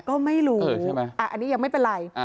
ก็ไม่รู้อันนี้ยังไม่เป็นไร